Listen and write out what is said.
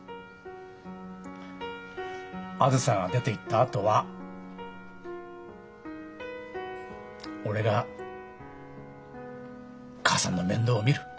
あづさが出ていったあとは俺が母さんの面倒を見る。